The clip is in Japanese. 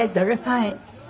はい。